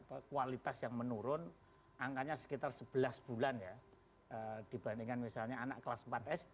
kualitas yang menurun angkanya sekitar sebelas bulan ya dibandingkan misalnya anak kelas empat sd